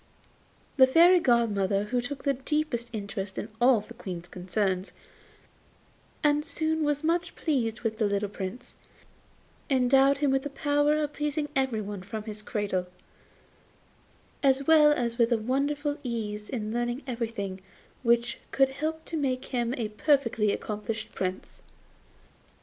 The Fairy godmother, who took the deepest interest in all the Queen's concerns, and who was much pleased with the little Prince, endowed him with the power of pleasing everybody from his cradle, as well as with a wonderful ease in learning everything which could help to make him a perfectly accomplished Prince.